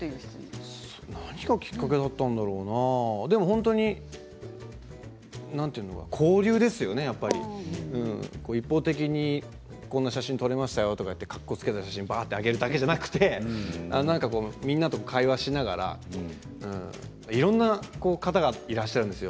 何がきっかけだったんだろうなでも本当に交流ですよねやっぱり一方的にこんな写真を撮りましたよとかっこつけた写真をあげるだけじゃなくてみんなと会話しながらいろんな方がいらっしゃるんですよ。